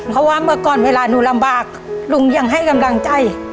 เพราะว่าเมื่อก่อนเวลาหนูลำบากลุงยังให้กำลังใจ